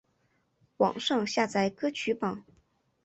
网上下载歌曲榜